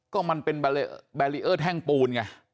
ก็มันเป็นแบรีเออร์แท่งปูนไง